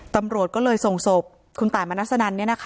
ตำรวจก็เลยส่งศพคุณตายมณัสนัน